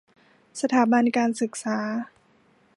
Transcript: สถานบันการศึกษา